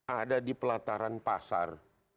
ada di pelataran pasar